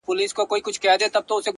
چي هغه تللې ده نو ته ولي خپه يې روحه،